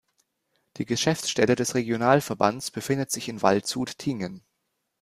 Die Geschäftsstelle des Regionalverbands befindet sich in Waldshut-Tiengen.